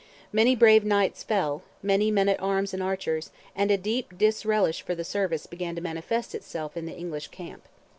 Many brave knights fell, many men at arms and archers; and a deep disrelish for the service began to manifest itself in the English camp.